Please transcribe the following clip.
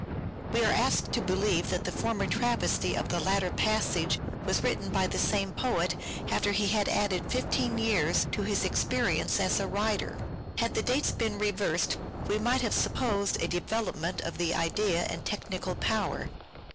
We are asked to believe that the former travesty of the latter passage was written by the same poet after he had added fifteen years to his experience as a writer. Had the dates been reversed we might have supposed a development of the idea and technical power.